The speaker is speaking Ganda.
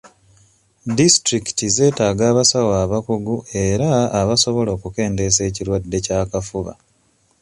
Disitulikiti zeetaga abasawo abakugu era abasobola okukendeeza ekirwadde ky'akafuba.